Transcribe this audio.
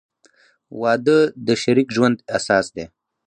• واده د شریک ژوند اساس دی.